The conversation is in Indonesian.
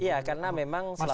iya karena memang selama